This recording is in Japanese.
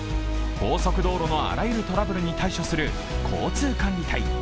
高速道路のあらゆるトラブルに対処する交通管理隊。